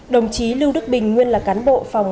đồng chí lưu đức bình nguyên là cán bộ phòng